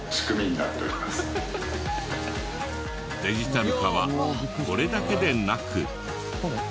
デジタル化はこれだけでなく。